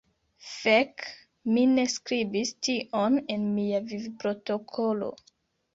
Fek, mi ne skribis tion en mia vivprotokolo.